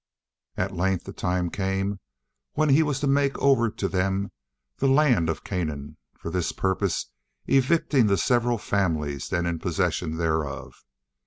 At length the time came when he was to make over to them the Land of Canaan, for this purpose evicting the several families then in possession thereof.